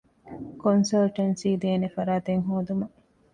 ކޮންސަލްޓެންސީ ދޭނެ ފަރާތެއް ހޯދުމަށް